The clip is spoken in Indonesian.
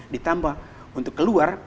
ditambah untuk keluar